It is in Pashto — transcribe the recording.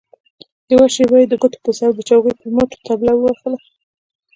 يوه شېبه يې د ګوتو په سر د چوکۍ پر مټو طبله ووهله.